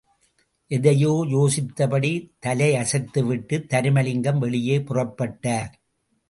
எதையோ யோசித்தபடி தலையசைத்துவிட்டு, தருமலிங்கம் வெளியே புறப்பட்டார்.